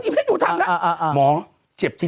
เบลล่าเบลล่า